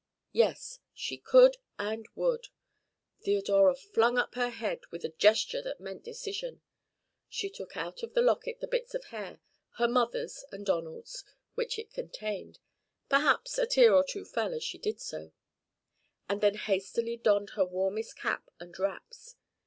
Yes, she could and would. Theodora flung up her head with a gesture that meant decision. She took out of the locket the bits of hair her mother's and Donald's which it contained (perhaps a tear or two fell as she did so) and then hastily donned her warmest cap and wraps.